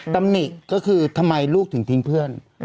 ตำหนิก็คือทำไมลูกถึงทิ้งเพื่อน